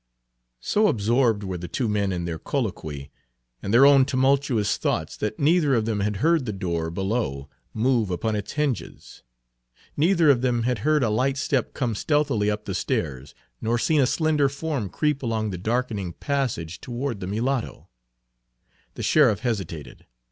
So absorbed were the two men in their colloquy and their own tumultuous thoughts that neither of them had heard the door below move upon its hinges. Neither of them had heard a light step come stealthily up the stairs, nor seen a slender form creep along the darkening passage toward the mulatto. The sheriff hesitated.